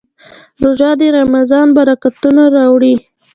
روژه د رمضان برکتونه راوړي.